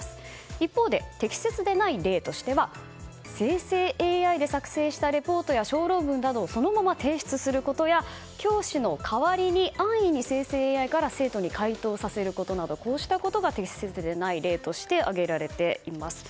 一方で適切でない例としては生成ＡＩで作成したレポートや小論文などをそのまま提出することや教師の代わりに安易に生成ＡＩから生徒に回答させることなどこうしたことが適切でない例として挙げられています。